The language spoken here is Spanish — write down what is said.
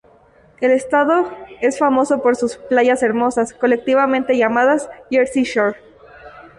El estado es famoso por sus playas hermosas, colectivamente llamadas "Jersey Shore".